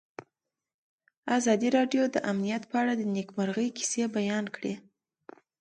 ازادي راډیو د امنیت په اړه د نېکمرغۍ کیسې بیان کړې.